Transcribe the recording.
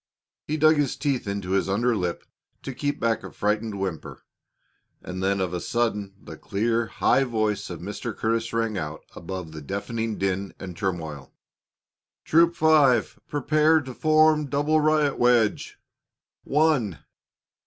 He dug his teeth into his under lip to keep back a frightened whimper, and then of a sudden the clear, high voice of Mr. Curtis rang out above the deafening din and turmoil: "Troop Five prepare to form double riot wedge! One!"